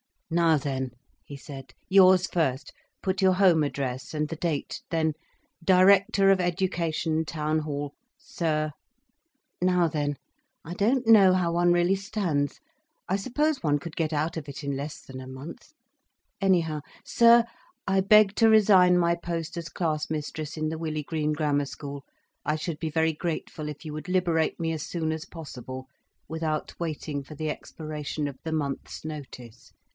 "Now then," he said, "yours first. Put your home address, and the date—then 'Director of Education, Town Hall—Sir—' Now then!—I don't know how one really stands—I suppose one could get out of it in less than month—Anyhow 'Sir—I beg to resign my post as classmistress in the Willey Green Grammar School. I should be very grateful if you would liberate me as soon as possible, without waiting for the expiration of the month's notice.